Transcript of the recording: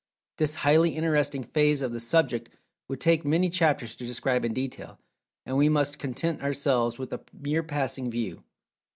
This highly interesting phase of the subject would take many chapters to describe in detail, and we must content ourselves with a mere passing view.